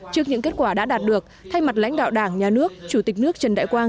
trước những kết quả đã đạt được thay mặt lãnh đạo đảng nhà nước chủ tịch nước trần đại quang